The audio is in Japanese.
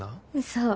そう。